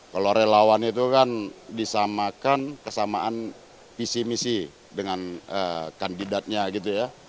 kalau relawan itu kan disamakan kesamaan visi misi dengan kandidatnya gitu ya